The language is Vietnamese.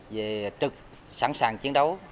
về trực sẵn sàng chiến đấu